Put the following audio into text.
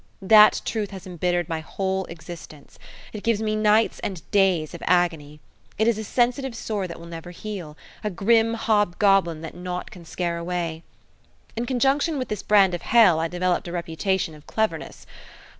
That truth has embittered my whole existence. It gives me days and nights of agony. It is a sensitive sore that will never heal, a grim hobgoblin that nought can scare away. In conjunction with this brand of hell I developed a reputation of cleverness.